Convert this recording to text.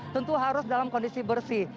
tentu harus dalam kondisi bersih